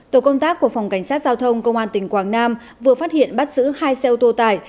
tổ công tác của phòng cảnh sát giao thông công an tỉnh quảng nam vừa phát hiện bắt giữ hai xe ô tô tải